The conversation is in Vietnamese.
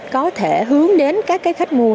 có thể hướng đến các cái khách mua